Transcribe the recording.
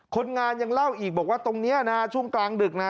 คนงานยังเล่าอีกบอกว่าตรงนี้นะช่วงกลางดึกนะ